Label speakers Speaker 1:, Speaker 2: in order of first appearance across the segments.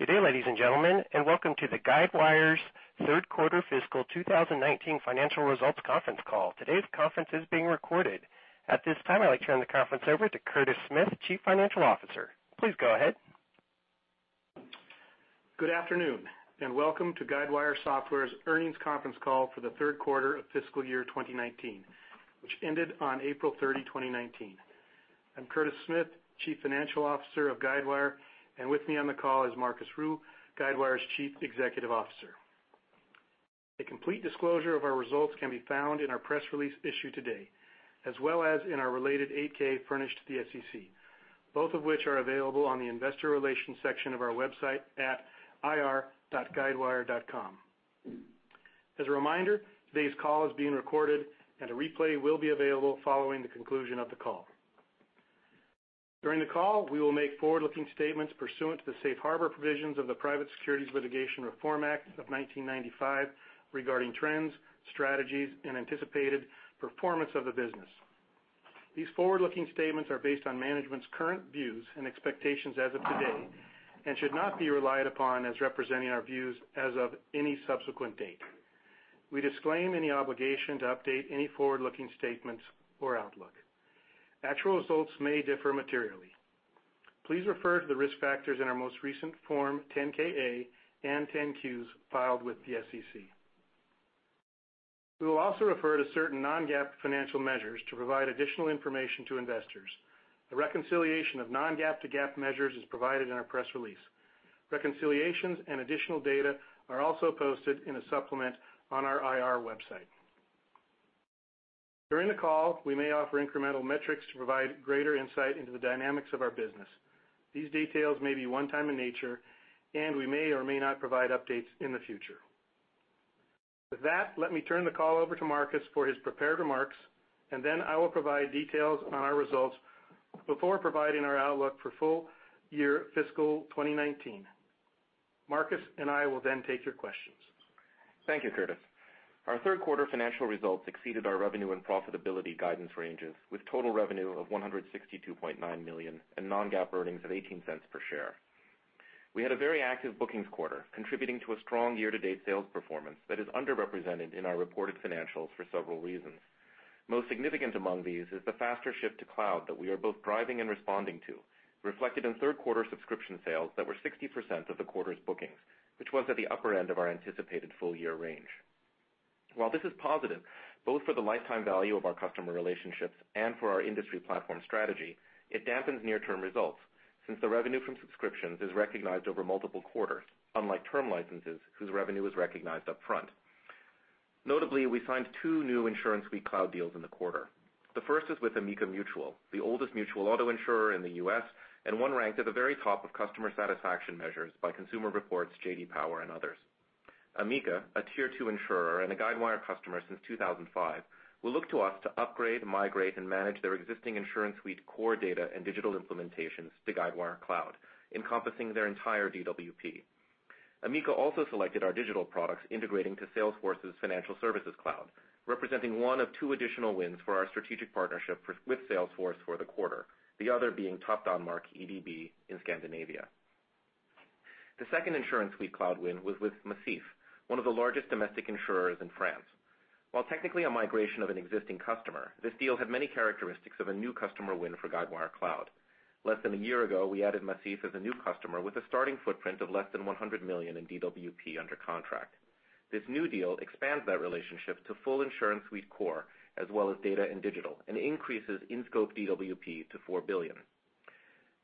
Speaker 1: Good day, ladies and gentlemen, welcome to Guidewire's third quarter fiscal 2019 financial results conference call. Today's conference is being recorded. At this time, I'd like to turn the conference over to Curtis Smith, Chief Financial Officer. Please go ahead.
Speaker 2: Good afternoon, welcome to Guidewire Software's earnings conference call for the third quarter of fiscal year 2019, which ended on April 30, 2019. I'm Curtis Smith, Chief Financial Officer of Guidewire, and with me on the call is Marcus Ryu, Guidewire's Chief Executive Officer. A complete disclosure of our results can be found in our press release issued today, as well as in our related 8-K furnished to the SEC, both of which are available on the investor relations section of our website at ir.guidewire.com. As a reminder, today's call is being recorded, and a replay will be available following the conclusion of the call. During the call, we will make forward-looking statements pursuant to the safe harbor provisions of the Private Securities Litigation Reform Act of 1995 regarding trends, strategies, and anticipated performance of the business. These forward-looking statements are based on management's current views and expectations as of today should not be relied upon as representing our views as of any subsequent date. We disclaim any obligation to update any forward-looking statements or outlook. Actual results may differ materially. Please refer to the risk factors in our most recent Form 10-KA and 10-Qs filed with the SEC. We will also refer to certain non-GAAP financial measures to provide additional information to investors. The reconciliation of non-GAAP to GAAP measures is provided in our press release. Reconciliations and additional data are also posted in a supplement on our IR website. During the call, we may offer incremental metrics to provide greater insight into the dynamics of our business. These details may be one-time in nature, we may or may not provide updates in the future. With that, let me turn the call over to Marcus for his prepared remarks, then I will provide details on our results before providing our outlook for full year fiscal 2019. Marcus I will then take your questions.
Speaker 3: Thank you, Curtis. Our third-quarter financial results exceeded our revenue and profitability guidance ranges, with total revenue of $162.9 million and non-GAAP earnings of $0.18 per share. We had a very active bookings quarter, contributing to a strong year-to-date sales performance that is underrepresented in our reported financials for several reasons. Most significant among these is the faster shift to cloud that we are both driving and responding to, reflected in third-quarter subscription sales that were 60% of the quarter's bookings, which was at the upper end of our anticipated full-year range. While this is positive both for the lifetime value of our customer relationships and for our industry platform strategy, it dampens near-term results since the revenue from subscriptions is recognized over multiple quarters, unlike term licenses, whose revenue is recognized upfront. Notably, we signed two new InsuranceSuite Cloud deals in the quarter. The first is with Amica Mutual, the oldest mutual auto insurer in the U.S. and one ranked at the very top of customer satisfaction measures by Consumer Reports, J.D. Power, and others. Amica, a Tier 2 insurer and a Guidewire customer since 2005, will look to us to upgrade, migrate, and manage their existing InsuranceSuite core data and digital implementations to Guidewire Cloud, encompassing their entire DWP. Amica also selected our digital products integrating to Salesforce's Financial Services Cloud, representing one of two additional wins for our strategic partnership with Salesforce for the quarter, the other being Topdanmark EDB in Scandinavia. The second InsuranceSuite Cloud win was with Macif, one of the largest domestic insurers in France. While technically a migration of an existing customer, this deal had many characteristics of a new customer win for Guidewire Cloud. Less than a year ago, we added Macif as a new customer with a starting footprint of less than $100 million in DWP under contract. This new deal expands that relationship to full InsuranceSuite core, as well as data and digital, and increases in-scope DWP to $4 billion.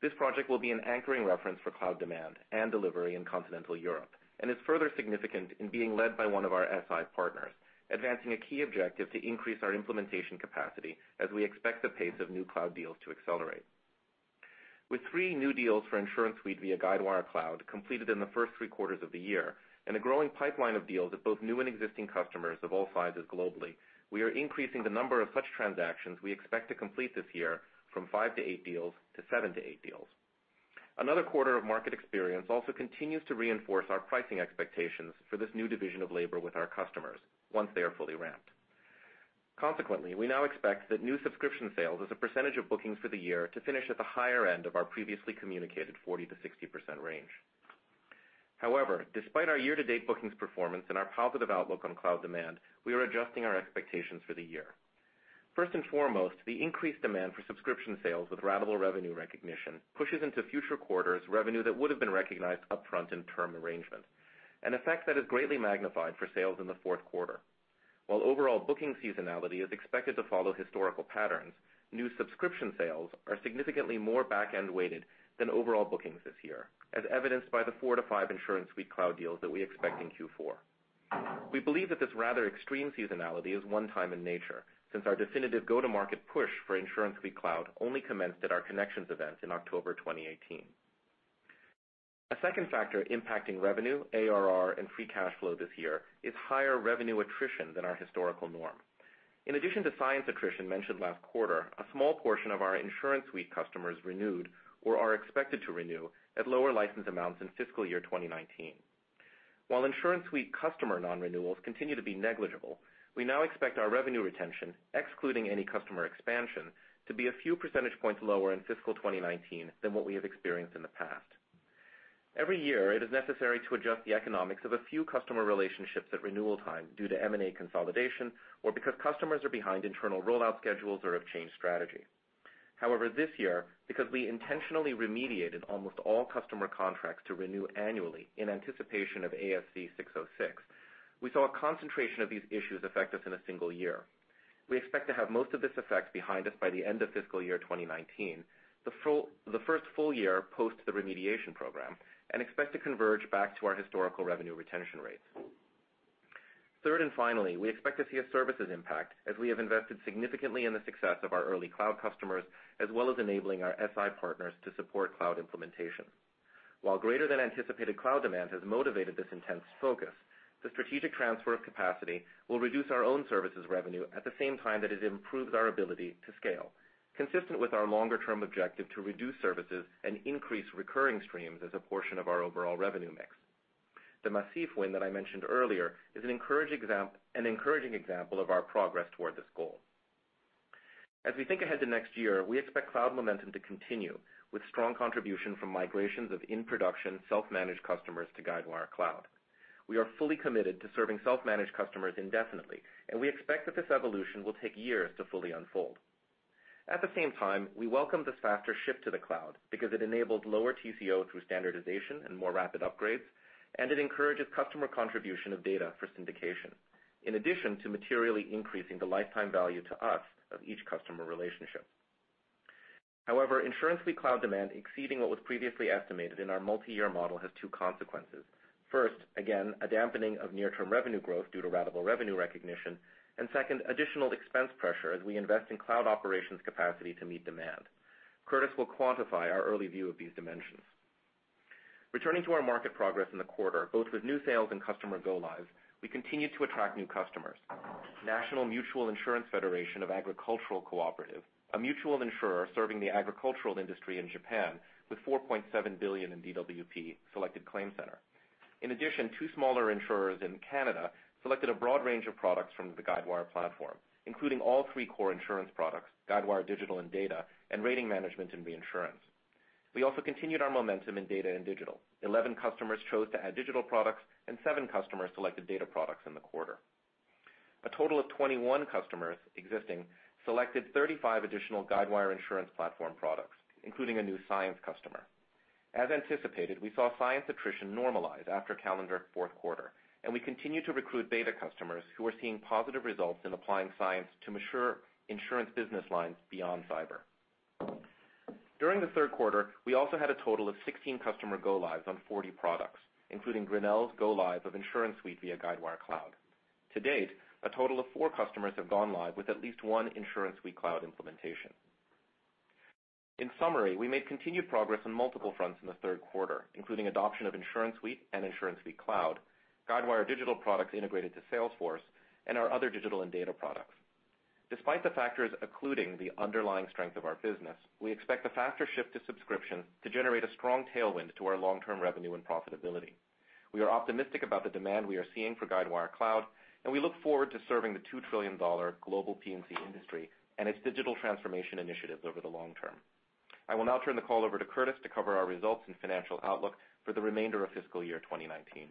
Speaker 3: This project will be an anchoring reference for cloud demand and delivery in continental Europe and is further significant in being led by one of our SI partners, advancing a key objective to increase our implementation capacity as we expect the pace of new cloud deals to accelerate. With three new deals for InsuranceSuite via Guidewire Cloud completed in the first three quarters of the year and a growing pipeline of deals at both new and existing customers of all sizes globally, we are increasing the number of such transactions we expect to complete this year from five to eight deals to seven to eight deals. Another quarter of market experience also continues to reinforce our pricing expectations for this new division of labor with our customers once they are fully ramped. Consequently, we now expect that new subscription sales as a percentage of bookings for the year to finish at the higher end of our previously communicated 40%-60% range. Despite our year-to-date bookings performance and our positive outlook on cloud demand, we are adjusting our expectations for the year. First and foremost, the increased demand for subscription sales with ratable revenue recognition pushes into future quarters revenue that would have been recognized upfront in term arrangements, an effect that is greatly magnified for sales in the fourth quarter. While overall bookings seasonality is expected to follow historical patterns, new subscription sales are significantly more back-end weighted than overall bookings this year, as evidenced by the four to five InsuranceSuite Cloud deals that we expect in Q4. We believe that this rather extreme seasonality is one-time in nature since our definitive go-to-market push for InsuranceSuite Cloud only commenced at our Connections event in October 2018. A second factor impacting revenue, ARR, and free cash flow this year is higher revenue attrition than our historical norm. In addition to Cyence attrition mentioned last quarter, a small portion of our InsuranceSuite customers renewed or are expected to renew at lower license amounts in fiscal year 2019. While InsuranceSuite customer non-renewals continue to be negligible, we now expect our revenue retention, excluding any customer expansion, to be a few percentage points lower in fiscal 2019 than what we have experienced in the past. Every year, it is necessary to adjust the economics of a few customer relationships at renewal time due to M&A consolidation or because customers are behind internal rollout schedules or have changed strategy. However, this year, because we intentionally remediated almost all customer contracts to renew annually in anticipation of ASC 606, we saw a concentration of these issues affect us in a single year. We expect to have most of this effect behind us by the end of fiscal year 2019, the first full year post the remediation program, and expect to converge back to our historical revenue retention rates. Third and finally, we expect to see a services impact as we have invested significantly in the success of our early cloud customers, as well as enabling our SI partners to support cloud implementation. While greater than anticipated cloud demand has motivated this intense focus, the strategic transfer of capacity will reduce our own services revenue at the same time that it improves our ability to scale, consistent with our longer-term objective to reduce services and increase recurring streams as a portion of our overall revenue mix. The Macif win that I mentioned earlier is an encouraging example of our progress toward this goal. As we think ahead to next year, we expect cloud momentum to continue, with strong contribution from migrations of in-production, self-managed customers to Guidewire Cloud. We are fully committed to serving self-managed customers indefinitely, and we expect that this evolution will take years to fully unfold. At the same time, we welcome this faster shift to the cloud because it enables lower TCO through standardization and more rapid upgrades, and it encourages customer contribution of data for syndication, in addition to materially increasing the lifetime value to us of each customer relationship. However, InsuranceSuite Cloud demand exceeding what was previously estimated in our multiyear model has two consequences. First, again, a dampening of near-term revenue growth due to ratable revenue recognition, and second, additional expense pressure as we invest in cloud operations capacity to meet demand. Curtis will quantify our early view of these dimensions. Returning to our market progress in the quarter, both with new sales and customer go-lives, we continue to attract new customers. National Mutual Insurance Federation of Agricultural Cooperatives, a mutual insurer serving the agricultural industry in Japan with $4.7 billion in DWP, selected ClaimCenter. In addition, two smaller insurers in Canada selected a broad range of products from the Guidewire platform, including all three core insurance products, Guidewire Digital and Data and Rating Management and Reinsurance. We also continued our momentum in data and digital. 11 customers chose to add digital products, and 7 customers selected data products in the quarter. A total of 21 customers, existing, selected 35 additional Guidewire InsurancePlatform products, including a new Cyence customer. As anticipated, we saw Cyence attrition normalize after calendar Q4, and we continue to recruit beta customers who are seeing positive results in applying Cyence to mature insurance business lines beyond cyber. During Q3, we also had a total of 16 customer go-lives on 40 products, including Grinnell Mutual's go-live of InsuranceSuite via Guidewire Cloud. To date, a total of 4 customers have gone live with at least one InsuranceSuite Cloud implementation. In summary, we made continued progress on multiple fronts in Q3, including adoption of InsuranceSuite and InsuranceSuite Cloud, Guidewire Digital products integrated to Salesforce, and our other digital and data products. Despite the factors occluding the underlying strength of our business, we expect the faster shift to subscription to generate a strong tailwind to our long-term revenue and profitability. We are optimistic about the demand we are seeing for Guidewire Cloud, and we look forward to serving the $2 trillion global P&C industry and its digital transformation initiatives over the long term. I will now turn the call over to Curtis to cover our results and financial outlook for the remainder of fiscal year 2019.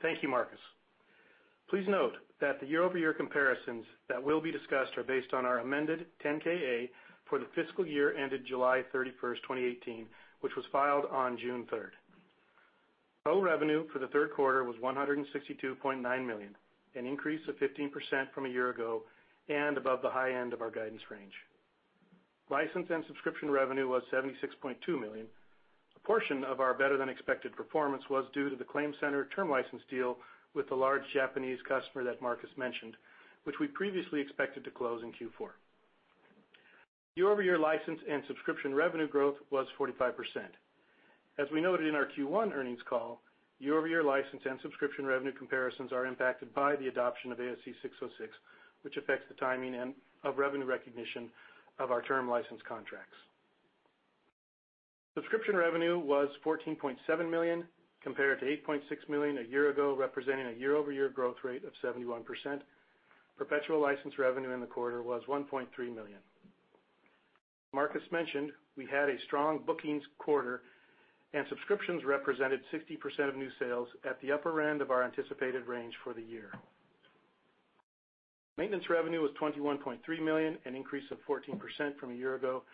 Speaker 2: Thank you, Marcus. Please note that the year-over-year comparisons that will be discussed are based on our amended 10-KA for the fiscal year ended July 31st, 2018, which was filed on June 3rd. Total revenue for Q3 was $162.9 million, an increase of 15% from a year ago and above the high end of our guidance range. License and subscription revenue was $76.2 million. A portion of our better-than-expected performance was due to the ClaimCenter term license deal with the large Japanese customer that Marcus mentioned, which we previously expected to close in Q4. Year-over-year license and subscription revenue growth was 45%. As we noted in our Q1 earnings call, year-over-year license and subscription revenue comparisons are impacted by the adoption of ASC 606, which affects the timing of revenue recognition of our term license contracts. Subscription revenue was $14.7 million compared to $8.6 million a year ago, representing a year-over-year growth rate of 71%. Perpetual license revenue in the quarter was $1.3 million. Marcus mentioned we had a strong bookings quarter, and subscriptions represented 60% of new sales at the upper end of our anticipated range for the year. Maintenance revenue was $21.3 million, an increase of 14% from a year ago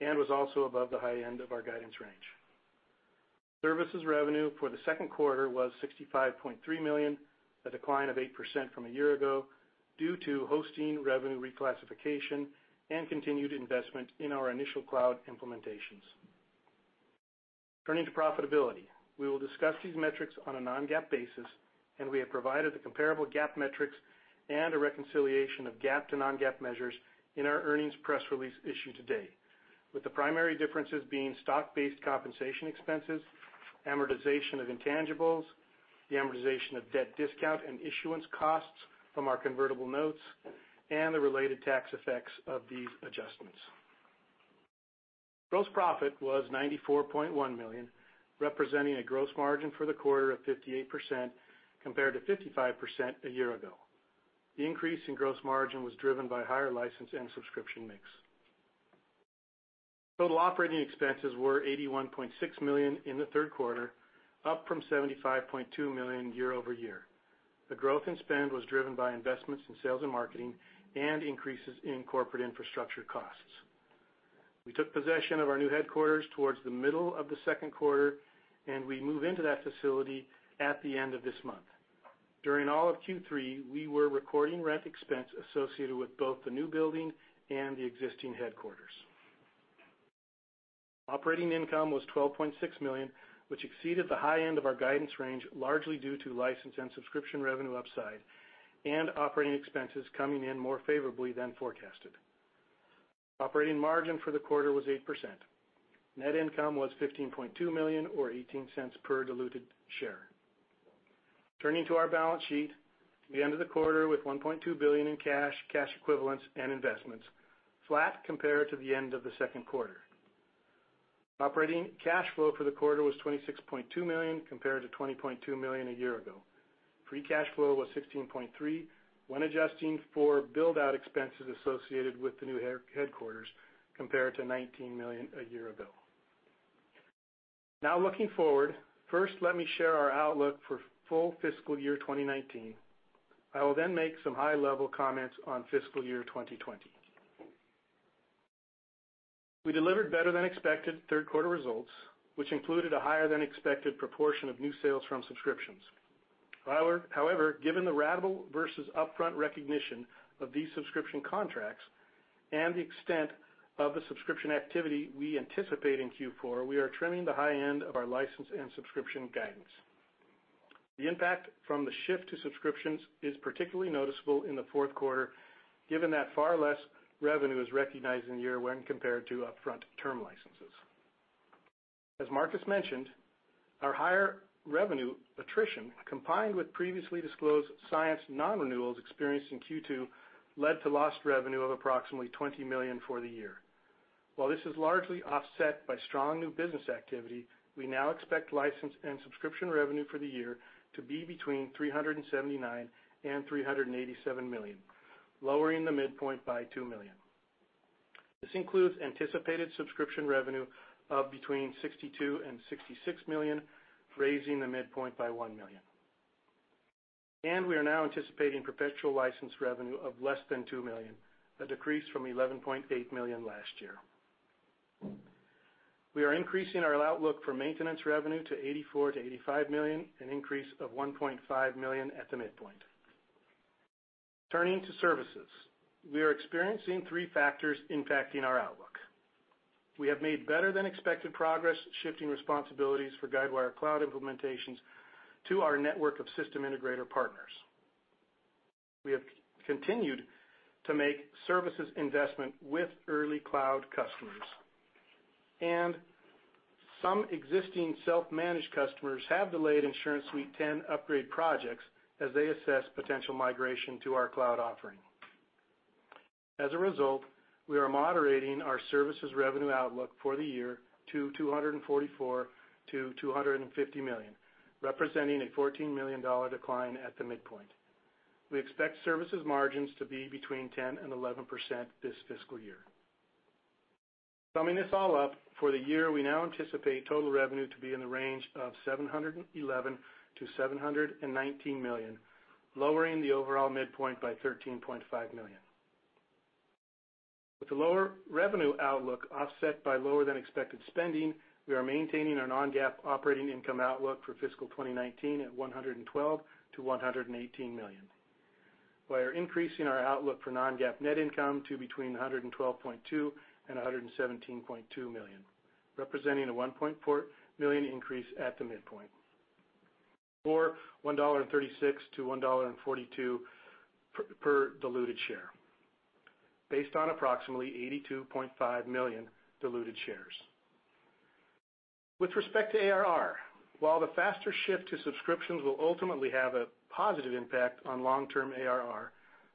Speaker 2: and was also above the high end of our guidance range. Services revenue for the second quarter was $65.3 million, a decline of 8% from a year ago due to hosting revenue reclassification and continued investment in our initial cloud implementations. Turning to profitability, we will discuss these metrics on a non-GAAP basis. We have provided the comparable GAAP metrics and a reconciliation of GAAP to non-GAAP measures in our earnings press release issued today, with the primary differences being stock-based compensation expenses, amortization of intangibles, the amortization of debt discount and issuance costs from our convertible notes, and the related tax effects of these adjustments. Gross profit was $94.1 million, representing a gross margin for the quarter of 58%, compared to 55% a year ago. The increase in gross margin was driven by higher license and subscription mix. Total operating expenses were $81.6 million in the third quarter, up from $75.2 million year-over-year. The growth in spend was driven by investments in sales and marketing and increases in corporate infrastructure costs. We took possession of our new headquarters towards the middle of the second quarter, and we move into that facility at the end of this month. During all of Q3, we were recording rent expense associated with both the new building and the existing headquarters. Operating income was $12.6 million, which exceeded the high end of our guidance range, largely due to license and subscription revenue upside and operating expenses coming in more favorably than forecasted. Operating margin for the quarter was 8%. Net income was $15.2 million, or $0.18 per diluted share. Turning to our balance sheet, we ended the quarter with $1.2 billion in cash equivalents, and investments, flat compared to the end of the second quarter. Operating cash flow for the quarter was $26.2 million compared to $20.2 million a year ago. Free cash flow was $16.3 million when adjusting for build-out expenses associated with the new headquarters, compared to $19 million a year ago. Looking forward, first, let me share our outlook for full fiscal year 2019. I will make some high-level comments on fiscal year 2020. We delivered better-than-expected third-quarter results, which included a higher-than-expected proportion of new sales from subscriptions. Given the ratable versus upfront recognition of these subscription contracts and the extent of the subscription activity we anticipate in Q4, we are trimming the high end of our license and subscription guidance. The impact from the shift to subscriptions is particularly noticeable in the fourth quarter, given that far less revenue is recognized in year when compared to upfront term licenses. As Marcus Ryu mentioned, our higher revenue attrition, combined with previously disclosed Cyence non-renewals experienced in Q2, led to lost revenue of approximately $20 million for the year. While this is largely offset by strong new business activity, we now expect license and subscription revenue for the year to be between $379 million and $387 million, lowering the midpoint by $2 million. We are now anticipating perpetual license revenue of less than $2 million, a decrease from $11.8 million last year. We are increasing our outlook for maintenance revenue to $84 million to $85 million, an increase of $1.5 million at the midpoint. Turning to services, we are experiencing three factors impacting our outlook. We have made better-than-expected progress shifting responsibilities for Guidewire Cloud implementations to our network of system integrator partners. We have continued to make services investment with early cloud customers. Some existing self-managed customers have delayed InsuranceSuite 10 upgrade projects as they assess potential migration to our cloud offering. As a result, we are moderating our services revenue outlook for the year to $244 million to $250 million, representing a $14 million decline at the midpoint. We expect services margins to be between 10% and 11% this fiscal year. Summing this all up, for the year, we now anticipate total revenue to be in the range of $711 million to $719 million, lowering the overall midpoint by $13.5 million. With the lower revenue outlook offset by lower-than-expected spending, we are maintaining our non-GAAP operating income outlook for fiscal 2019 at $112 million to $118 million. We are increasing our outlook for non-GAAP net income to between $112.2 million and $117.2 million, representing a $1.4 million increase at the midpoint, or $1.36 to $1.42 per diluted share based on approximately 82.5 million diluted shares. With respect to ARR, while the faster shift to subscriptions will ultimately have a positive impact on long-term ARR,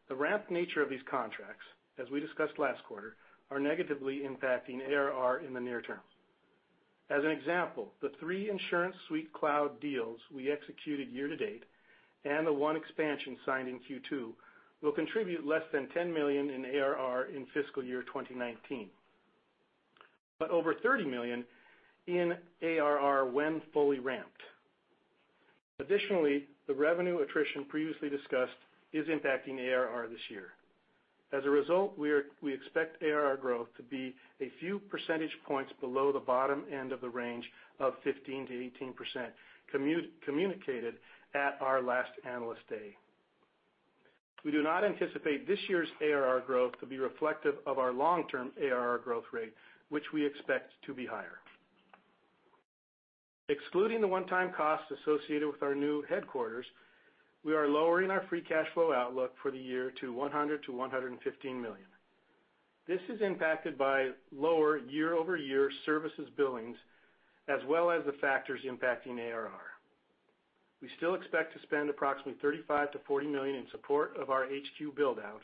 Speaker 2: the ramp nature of these contracts, as we discussed last quarter, are negatively impacting ARR in the near term. As an example, the three InsuranceSuite Cloud deals we executed year to date and the one expansion signed in Q2 will contribute less than $10 million in ARR in fiscal year 2019, but over $30 million in ARR when fully ramped. Additionally, the revenue attrition previously discussed is impacting ARR this year. As a result, we expect ARR growth to be a few percentage points below the bottom end of the range of 15%-18%, communicated at our last Analyst Day. We do not anticipate this year's ARR growth to be reflective of our long-term ARR growth rate, which we expect to be higher. Excluding the one-time cost associated with our new headquarters, we are lowering our free cash flow outlook for the year to $100 million to $115 million. This is impacted by lower year-over-year services billings, as well as the factors impacting ARR. We still expect to spend approximately $35 million to $40 million in support of our HQ build-out,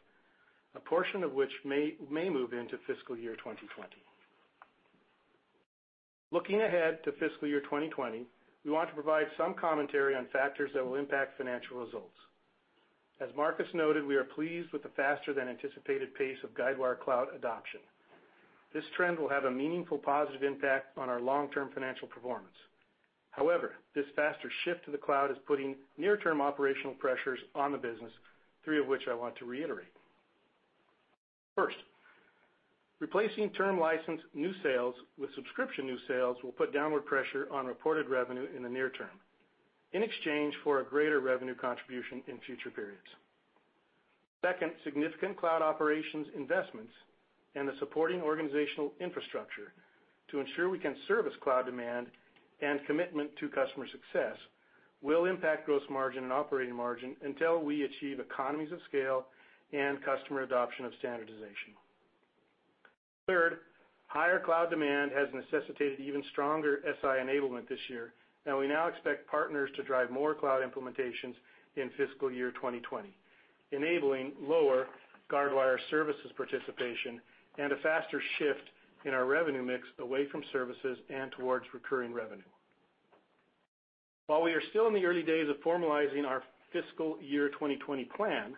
Speaker 2: a portion of which may move into fiscal year 2020. Looking ahead to fiscal year 2020, we want to provide some commentary on factors that will impact financial results. As Marcus noted, we are pleased with the faster than anticipated pace of Guidewire Cloud adoption. This trend will have a meaningful positive impact on our long-term financial performance. However, this faster shift to the cloud is putting near-term operational pressures on the business, three of which I want to reiterate. First, replacing term license new sales with subscription new sales will put downward pressure on reported revenue in the near term in exchange for a greater revenue contribution in future periods. Second, significant cloud operations investments and the supporting organizational infrastructure to ensure we can service cloud demand and commitment to customer success will impact gross margin and operating margin until we achieve economies of scale and customer adoption of standardization. Third, higher cloud demand has necessitated even stronger SI enablement this year, and we now expect partners to drive more cloud implementations in fiscal year 2020, enabling lower Guidewire services participation and a faster shift in our revenue mix away from services and towards recurring revenue. While we are still in the early days of formalizing our fiscal year 2020 plan,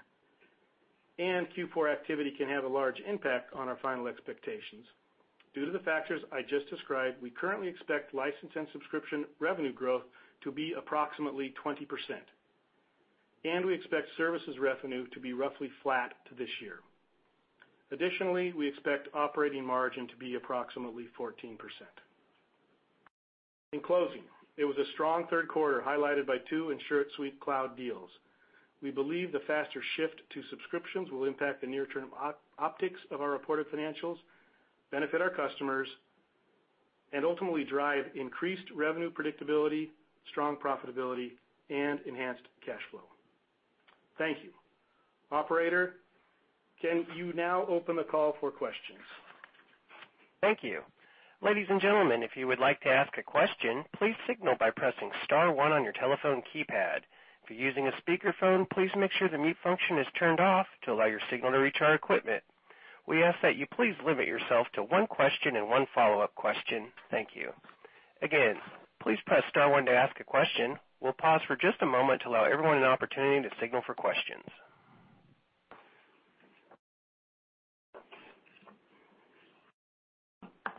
Speaker 2: and Q4 activity can have a large impact on our final expectations, due to the factors I just described, we currently expect license and subscription revenue growth to be approximately 20%, and we expect services revenue to be roughly flat to this year. Additionally, we expect operating margin to be approximately 14%. In closing, it was a strong third quarter highlighted by two InsuranceSuite Cloud deals. We believe the faster shift to subscriptions will impact the near-term optics of our reported financials, benefit our customers, and ultimately drive increased revenue predictability, strong profitability, and enhanced cash flow. Thank you. Operator, can you now open the call for questions?
Speaker 1: Thank you. Ladies and gentlemen, if you would like to ask a question, please signal by pressing star one on your telephone keypad. If you're using a speakerphone, please make sure the mute function is turned off to allow your signal to reach our equipment. We ask that you please limit yourself to one question and one follow-up question. Thank you. Again, please press star one to ask a question. We'll pause for just a moment to allow everyone an opportunity to signal for questions.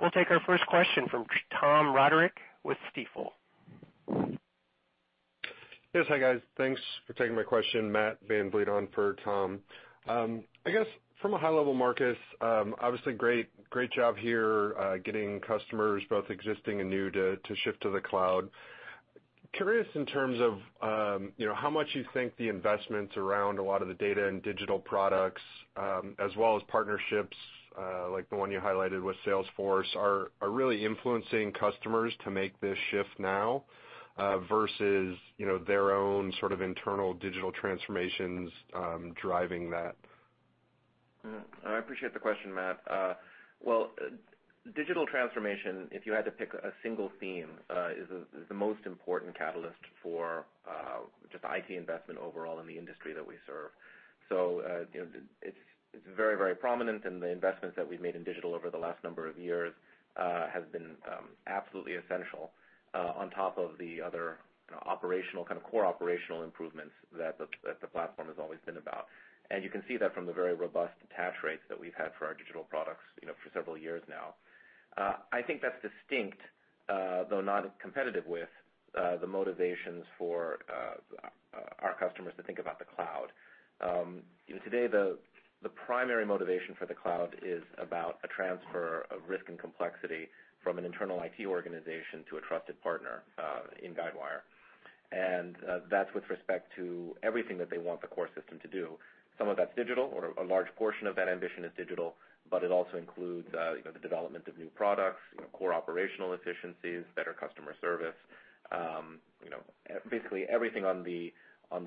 Speaker 1: We'll take our first question from Tom Roderick with Stifel.
Speaker 4: Yes. Hi, guys. Thanks for taking my question. Matt VanVliet for Tom. I guess from a high level, Marcus, obviously great job here getting customers, both existing and new, to shift to the cloud. Curious in terms of how much you think the investments around a lot of the data and digital products as well as partnerships, like the one you highlighted with Salesforce, are really influencing customers to make this shift now, versus their own sort of internal digital transformations driving that.
Speaker 3: I appreciate the question, Matt. Well, digital transformation, if you had to pick a single theme, is the most important catalyst for just IT investment overall in the industry that we serve. It's very prominent and the investments that we've made in digital over the last number of years has been absolutely essential on top of the other core operational improvements that the platform has always been about. You can see that from the very robust attach rates that we've had for our digital products for several years now. I think that's distinct, though not competitive with the motivations for our customers to think about the cloud. Today, the primary motivation for the cloud is about a transfer of risk and complexity from an internal IT organization to a trusted partner in Guidewire. That's with respect to everything that they want the core system to do. Some of that's digital or a large portion of that ambition is digital, but it also includes the development of new products, core operational efficiencies, better customer service. Basically, everything on the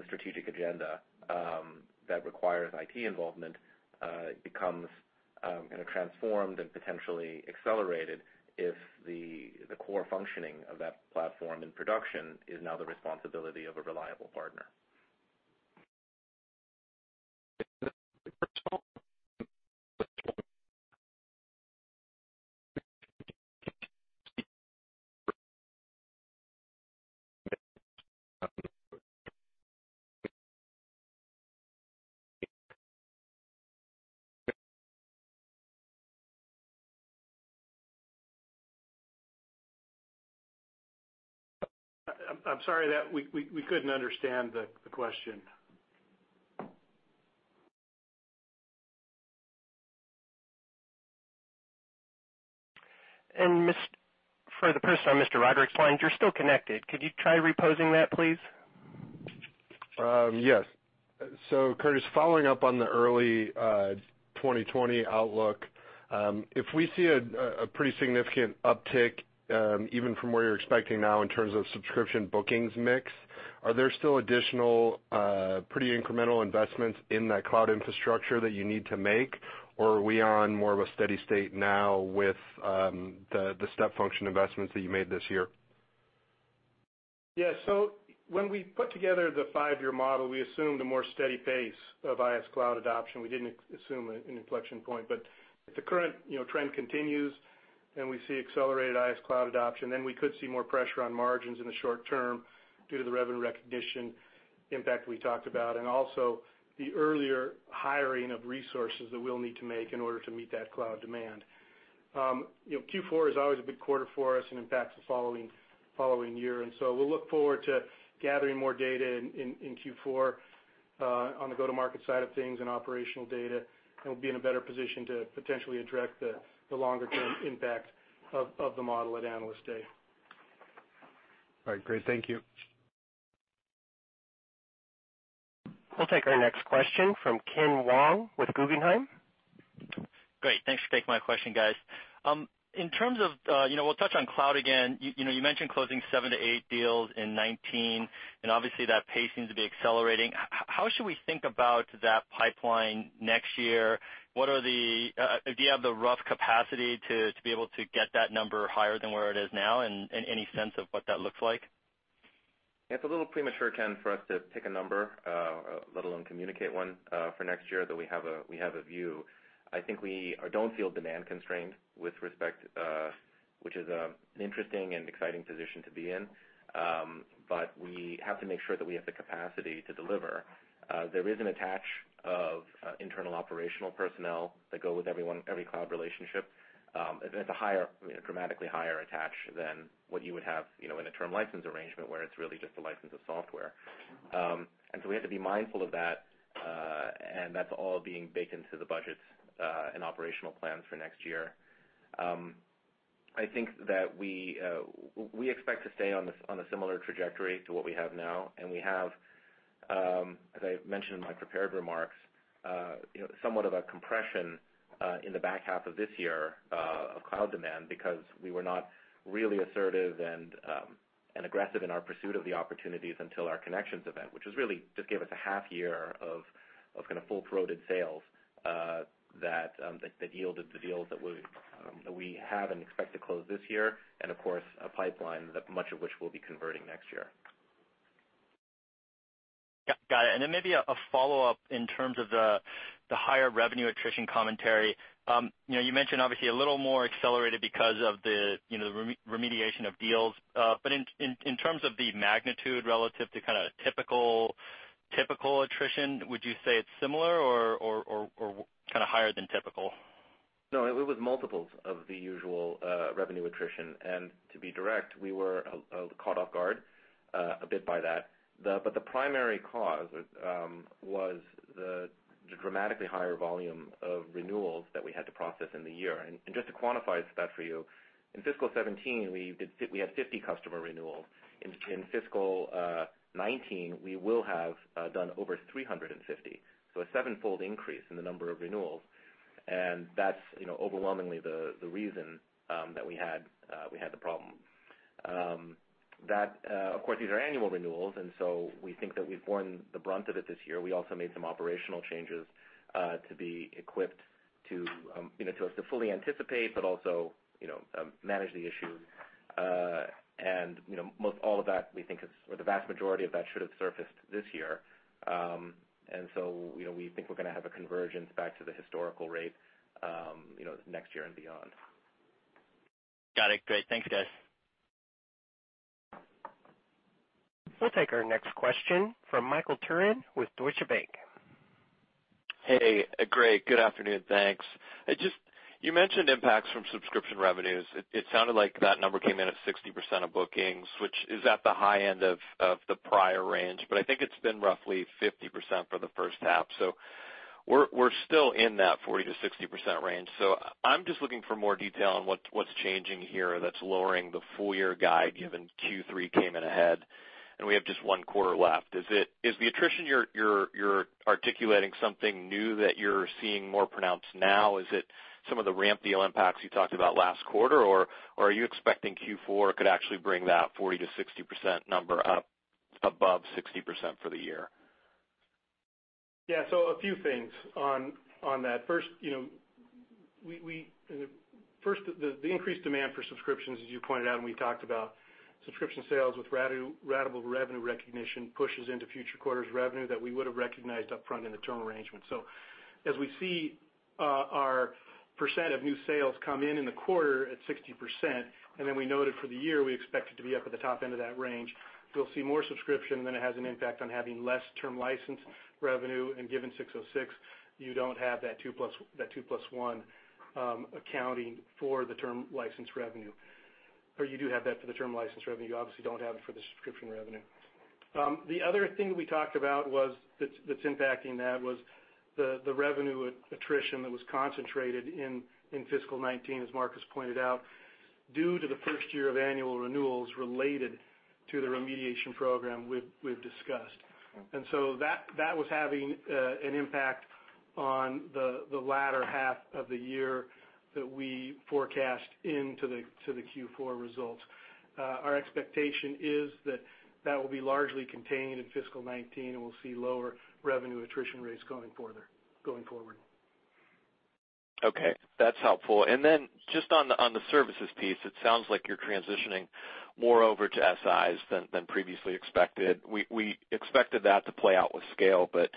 Speaker 3: strategic agenda that requires IT involvement becomes transformed and potentially accelerated if the core functioning of that platform in production is now the responsibility of a reliable partner.
Speaker 2: I'm sorry. We couldn't understand the question.
Speaker 1: For the person, Mr. Roderick's line, you're still connected. Could you try reposing that, please?
Speaker 4: Yes. Curtis, following up on the early 2020 outlook, if we see a pretty significant uptick, even from where you're expecting now in terms of subscription bookings mix, are there still additional pretty incremental investments in that cloud infrastructure that you need to make, or are we on more of a steady state now with the step function investments that you made this year?
Speaker 2: Yeah. When we put together the five-year model, we assumed a more steady pace of InsuranceSuite Cloud adoption. We didn't assume an inflection point. If the current trend continues and we see accelerated InsuranceSuite Cloud adoption, then we could see more pressure on margins in the short term due to the revenue recognition impact we talked about, and also the earlier hiring of resources that we'll need to make in order to meet that cloud demand. Q4 is always a big quarter for us and impacts the following year. We'll look forward to gathering more data in Q4 on the go-to-market side of things and operational data, and we'll be in a better position to potentially address the longer-term impact of the model at Analyst Day.
Speaker 4: All right, great. Thank you.
Speaker 1: We'll take our next question from Ken Wong with Guggenheim.
Speaker 5: Great. Thanks for taking my question, guys. We'll touch on cloud again. You mentioned closing seven to eight deals in 2019, obviously that pace seems to be accelerating. How should we think about that pipeline next year? Do you have the rough capacity to be able to get that number higher than where it is now, and any sense of what that looks like?
Speaker 3: It's a little premature, Ken, for us to pick a number, let alone communicate one for next year, though we have a view. I think we don't feel demand-constrained, which is an interesting and exciting position to be in. We have to make sure that we have the capacity to deliver. There is an attach of internal operational personnel that go with every cloud relationship. It's a dramatically higher attach than what you would have in a term license arrangement where it's really just a license of software. So we have to be mindful of that, and that's all being baked into the budgets and operational plans for next year. I think that we expect to stay on a similar trajectory to what we have now, and we have, as I mentioned in my prepared remarks, somewhat of a compression in the back half of this year of cloud demand because we were not really assertive and aggressive in our pursuit of the opportunities until our Connections event, which just gave us a half year of kind of full-throated sales that yielded the deals that we have and expect to close this year. Of course, a pipeline that much of which we'll be converting next year.
Speaker 5: Got it. Then maybe a follow-up in terms of the higher revenue attrition commentary. You mentioned obviously a little more accelerated because of the remediation of deals. In terms of the magnitude relative to kind of typical attrition, would you say it's similar or kind of higher than typical?
Speaker 3: No, it was multiples of the usual revenue attrition. To be direct, we were caught off guard a bit by that. The primary cause was the dramatically higher volume of renewals that we had to process in the year. Just to quantify that for you, in fiscal 2017, we had 50 customer renewals. In fiscal 2019, we will have done over 350. A sevenfold increase in the number of renewals. That's overwhelmingly the reason that we had the problem. Of course, these are annual renewals, we think that we've borne the brunt of it this year. We also made some operational changes to be equipped to us to fully anticipate, but also manage the issue. Most all of that, or the vast majority of that should have surfaced this year. We think we're going to have a convergence back to the historical rate next year and beyond.
Speaker 5: Got it. Great. Thanks, guys.
Speaker 1: We'll take our next question from Michael Turrin with Deutsche Bank.
Speaker 6: Hey, great. Good afternoon. Thanks. You mentioned impacts from subscription revenues. It sounded like that number came in at 60% of bookings, which is at the high end of the prior range. I think it's been roughly 50% for the first half. We're still in that 40%-60% range. I'm just looking for more detail on what's changing here that's lowering the full-year guide, given Q3 came in ahead and we have just one quarter left. Is the attrition you're articulating something new that you're seeing more pronounced now? Is it some of the ramp deal impacts you talked about last quarter? Are you expecting Q4 could actually bring that 40%-60% number up above 60% for the year?
Speaker 2: Yeah. A few things on that. First, the increased demand for subscriptions, as you pointed out, and we talked about subscription sales with ratable revenue recognition pushes into future quarters' revenue that we would've recognized upfront in the term arrangement. As we see our percent of new sales come in in the quarter at 60%, and then we noted for the year, we expect it to be up at the top end of that range, we'll see more subscription than it has an impact on having less term license revenue. Given 606, you don't have that two plus one accounting for the term license revenue. You do have that for the term license revenue, you obviously don't have it for the subscription revenue. The other thing that we talked about that's impacting that was the revenue attrition that was concentrated in fiscal 2019, as Marcus pointed out, due to the first year of annual renewals related to the remediation program we've discussed. That was having an impact on the latter half of the year that we forecast into the Q4 results. Our expectation is that that will be largely contained in fiscal 2019, and we'll see lower revenue attrition rates going forward.
Speaker 6: Okay, that's helpful. Just on the services piece, it sounds like you're transitioning more over to SIs than previously expected. We expected that to play out with scale, but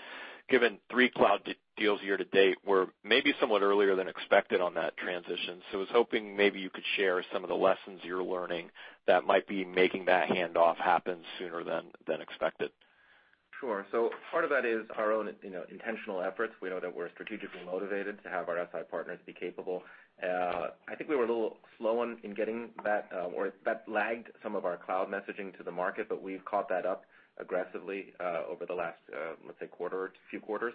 Speaker 6: given three cloud deals year to date, we're maybe somewhat earlier than expected on that transition. I was hoping maybe you could share some of the lessons you're learning that might be making that handoff happen sooner than expected.
Speaker 3: Sure. Part of that is our own intentional efforts. We know that we're strategically motivated to have our SI partners be capable. I think we were a little slow in getting that, or that lagged some of our cloud messaging to the market, but we've caught that up aggressively over the last, let's say, quarter or few quarters.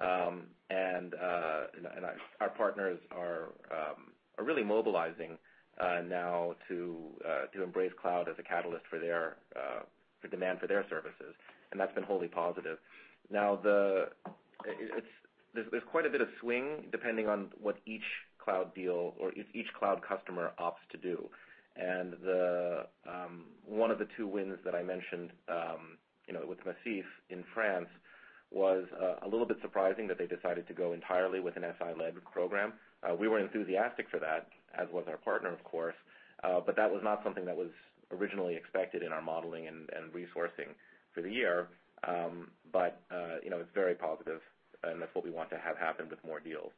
Speaker 3: Our partners are really mobilizing now to embrace cloud as a catalyst for demand for their services. That's been wholly positive. There's quite a bit of swing depending on what each cloud deal or each cloud customer opts to do. One of the two wins that I mentioned with Macif in France was a little bit surprising that they decided to go entirely with an SI-led program. We were enthusiastic for that, as was our partner, of course, but that was not something that was originally expected in our modeling and resourcing for the year. It's very positive, and that's what we want to have happen with more deals.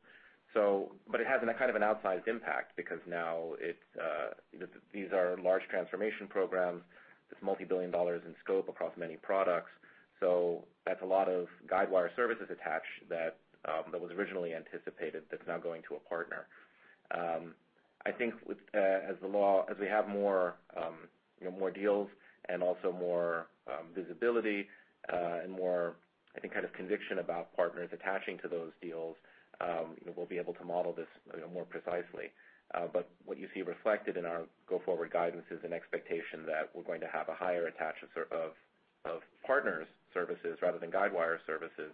Speaker 3: It has kind of an outsized impact because these are large transformation programs. It's multi-billion dollars in scope across many products. That's a lot of Guidewire services attached that was originally anticipated, that's now going to a partner. I think as we have more deals and also more visibility and more, I think, kind of conviction about partners attaching to those deals, we'll be able to model this more precisely. What you see reflected in our go-forward guidance is an expectation that we're going to have a higher attach of partners services rather than Guidewire services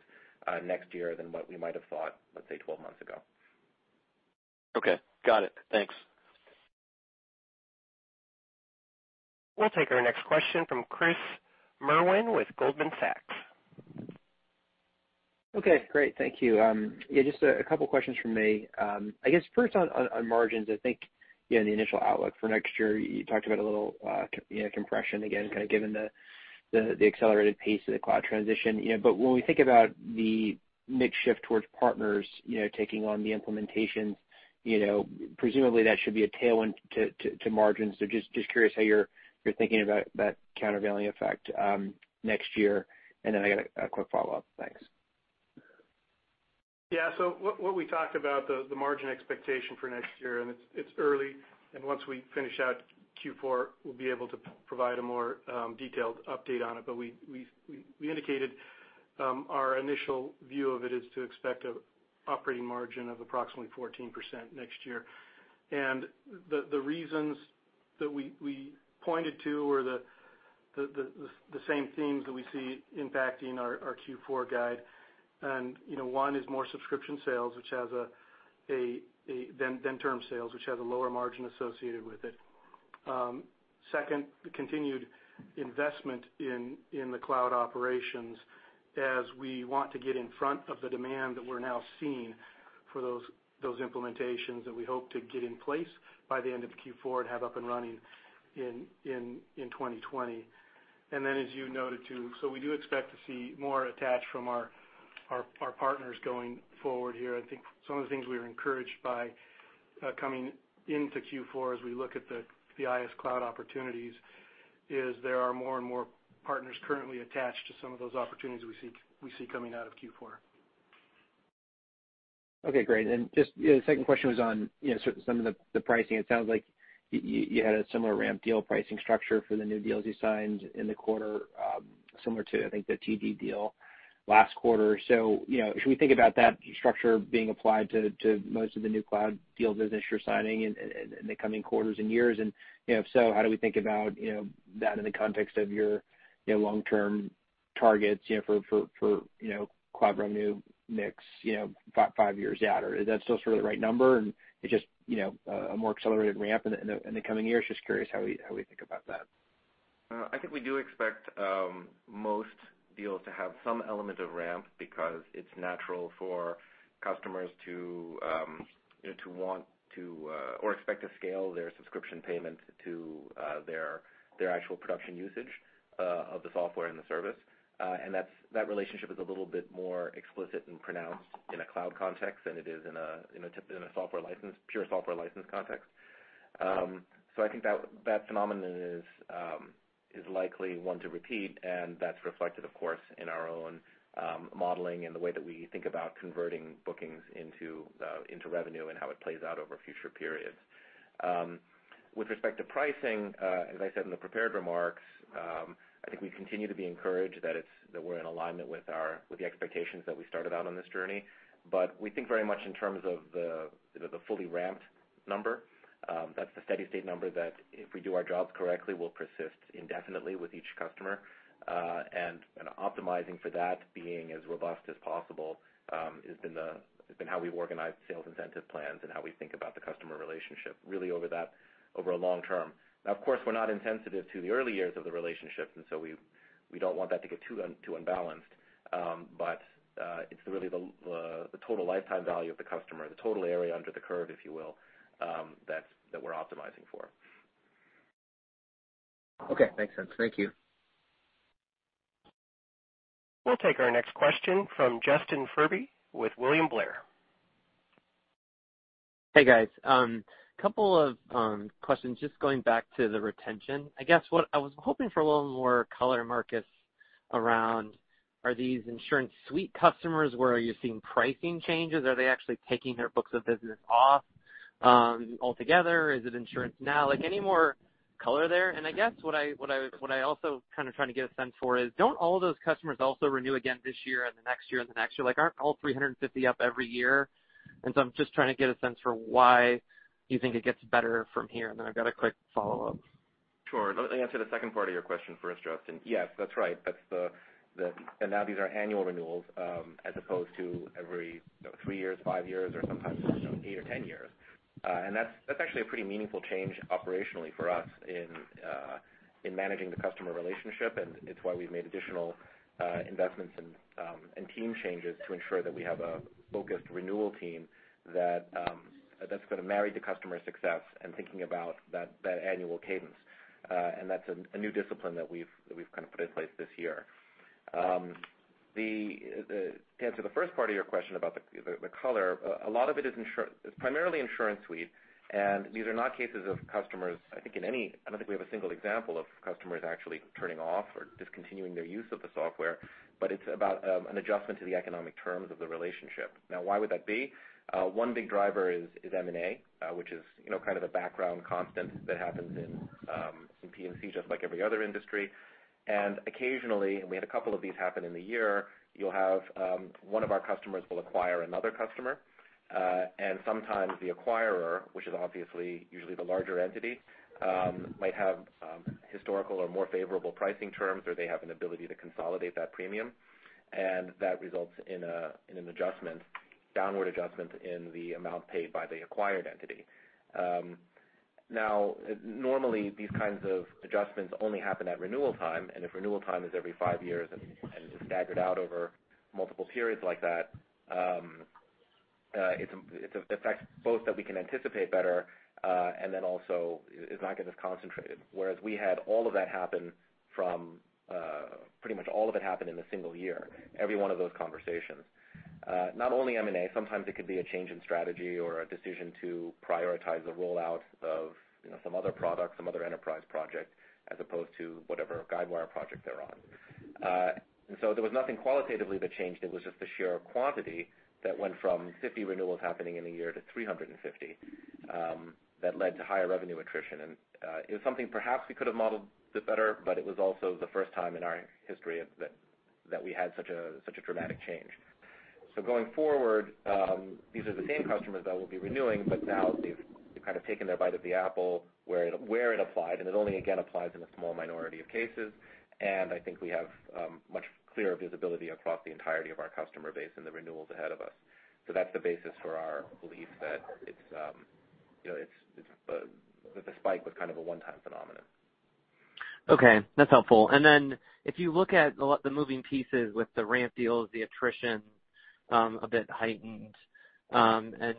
Speaker 3: next year than what we might have thought, let's say, 12 months ago.
Speaker 6: Okay, got it. Thanks.
Speaker 1: We'll take our next question from Chris Merwin with Goldman Sachs.
Speaker 7: Okay, great. Thank you. Yeah, just a couple of questions from me. I guess first on margins, I think in the initial outlook for next year, you talked about a little compression again, kind of given the accelerated pace of the cloud transition. When we think about the mix shift towards partners taking on the implementations, presumably that should be a tailwind to margins. Just curious how you're thinking about that countervailing effect next year. Then I got a quick follow-up. Thanks.
Speaker 2: Yeah. What we talked about, the margin expectation for next year, it's early, once we finish out Q4, we'll be able to provide a more detailed update on it. We indicated our initial view of it is to expect an operating margin of approximately 14% next year. The reasons that we pointed to were the same themes that we see impacting our Q4 guide. One is more subscription sales than term sales, which has a lower margin associated with it. Second, the continued investment in the cloud operations as we want to get in front of the demand that we're now seeing for those implementations that we hope to get in place by the end of Q4 and have up and running in 2020. Then as you noted, too, we do expect to see more attach from our partners going forward here. I think some of the things we were encouraged by coming into Q4 as we look at the InsuranceSuite Cloud opportunities is there are more and more partners currently attached to some of those opportunities we see coming out of Q4.
Speaker 7: Okay, great. Just the second question was on some of the pricing. It sounds like you had a similar ramp deal pricing structure for the new deals you signed in the quarter, similar to, I think, the TD deal last quarter. Should we think about that structure being applied to most of the new cloud deals as you're signing in the coming quarters and years? If so, how do we think about that in the context of your long-term targets for cloud revenue mix five years out? Is that still sort of the right number and it's just a more accelerated ramp in the coming years? Just curious how we think about that.
Speaker 3: I think we do expect most deals to have some element of ramp because it's natural for customers to want to or expect to scale their subscription payment to their actual production usage of the software and the service. That relationship is a little bit more explicit and pronounced in a cloud context than it is in a pure software license context. I think that phenomenon is likely one to repeat, and that's reflected, of course, in our own modeling and the way that we think about converting bookings into revenue and how it plays out over future periods. With respect to pricing, as I said in the prepared remarks, I think we continue to be encouraged that we're in alignment with the expectations that we started out on this journey. We think very much in terms of the fully ramped number. That's the steady state number that, if we do our jobs correctly, will persist indefinitely with each customer. Optimizing for that being as robust as possible has been how we've organized sales incentive plans and how we think about the customer- relationship really over a long term. Now, of course, we're not insensitive to the early years of the relationship, we don't want that to get too unbalanced. It's really the total lifetime value of the customer, the total area under the curve, if you will, that we're optimizing for.
Speaker 7: Okay. Makes sense. Thank you.
Speaker 1: We'll take our next question from Justin Furby with William Blair.
Speaker 8: Hey, guys. Couple of questions. Just going back to the retention. I guess what I was hoping for a little more color, Marcus, around are these InsuranceSuite customers where you're seeing pricing changes? Are they actually taking their books of business off altogether? Is it InsuranceNow? I mean, any more color there? I guess what I also kind of trying to get a sense for is, don't all of those customers also renew again this year and the next year and the next year? Aren't all 350 up every year? I'm just trying to get a sense for why you think it gets better from here. I've got a quick follow-up.
Speaker 3: Sure. Let me answer the second part of your question first, Justin. Yes, that's right. Now these are annual renewals, as opposed to every three years, five years, or sometimes eight or 10 years. That's actually a pretty meaningful change operationally for us in managing the customer relationship. It's why we've made additional investments and team changes to ensure that we have a focused renewal team that's going to marry the customer success in thinking about that annual cadence. That's a new discipline that we've kind of put in place this year. To answer the first part of your question about the color, a lot of it is primarily InsuranceSuite, and these are not cases of customers, I don't think we have a single example of customers actually turning off or discontinuing their use of the software. It's about an adjustment to the economic terms of the relationship. Why would that be? One big driver is M&A, which is kind of the background constant that happens in P&C just like every other industry. Occasionally, and we had a couple of these happen in the year, you'll have one of our customers will acquire another customer. Sometimes the acquirer, which is obviously usually the larger entity, might have historical or more favorable pricing terms, or they have an ability to consolidate that premium, and that results in an adjustment, downward adjustment, in the amount paid by the acquired entity. Normally, these kinds of adjustments only happen at renewal time, and if renewal time is every five years and is staggered out over multiple periods like that, it's an effect both that we can anticipate better and then also is not going to concentrated. Whereas we had all of that happen pretty much all of it happened in a single year, every one of those conversations. Not only M&A, sometimes it could be a change in strategy or a decision to prioritize the rollout of some other product, some other enterprise project, as opposed to whatever Guidewire project they're on. There was nothing qualitatively that changed. It was just the sheer quantity that went from 50 renewals happening in a year to 350 that led to higher revenue attrition. It's something perhaps we could have modeled a bit better, but it was also the first time in our history that we had such a dramatic change. Going forward, these are the same customers that we'll be renewing, but now they've kind of taken their bite of the apple where it applied, and it only, again, applies in a small minority of cases. I think we have much clearer visibility across the entirety of our customer base and the renewals ahead of us. That's the basis for our belief that the spike was kind of a one-time phenomenon.
Speaker 8: Okay. That's helpful. If you look at the moving pieces with the ramp deals, the attrition a bit heightened, and it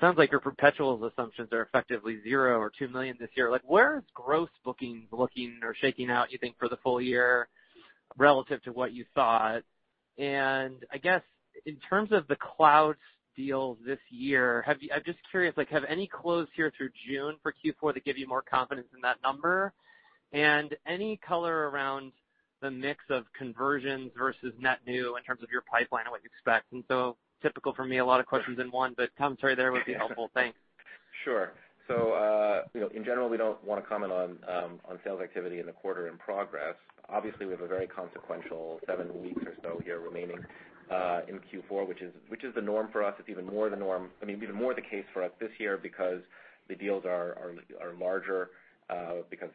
Speaker 8: sounds like your perpetuals assumptions are effectively zero or $2 million this year. Where is gross bookings looking or shaking out, you think, for the full year relative to what you thought? I guess in terms of the cloud deals this year, I'm just curious, have any closed here through June for Q4 that give you more confidence in that number? Any color around the mix of conversions versus net new in terms of your pipeline and what you expect? Typical for me, a lot of questions in one, but commentary there would be helpful. Thanks.
Speaker 3: Sure. In general, we don't want to comment on sales activity in the quarter in progress. Obviously, we have a very consequential seven weeks or so here remaining in Q4, which is the norm for us. It's even more the case for us this year because the deals are larger, because